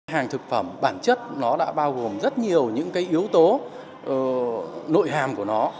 hàng thực phẩm bản chất nó đã bao gồm rất nhiều những cái yếu tố nội hàm của nó